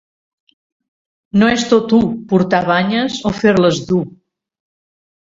No és tot u, portar banyes o fer-les dur.